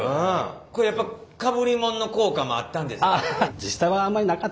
これやっぱかぶりもんの効果もあったんですか？